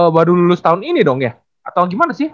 baru lulus tahun ini dong ya atau gimana sih